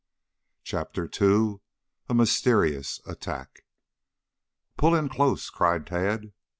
CHAPTER II A MYSTERIOUS ATTACK "Pull in close!" cried Tad.